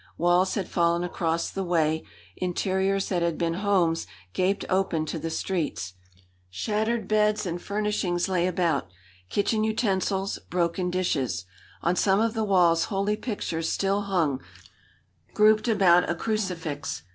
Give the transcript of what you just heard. Walls had fallen across the way, interiors that had been homes gaped open to the streets. Shattered beds and furnishings lay about kitchen utensils, broken dishes. On some of the walls holy pictures still hung, grouped about a crucifix.